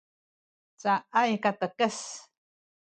caay katekes